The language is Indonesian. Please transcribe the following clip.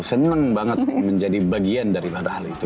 senang banget menjadi bagian daripada hal itu